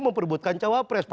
memperbutkan cowok pres at